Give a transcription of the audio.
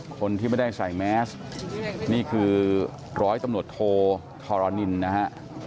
คนที่ไม่ได้ใส่แมสนี่คือร้อยตำรวจโทธรณินนะฮะ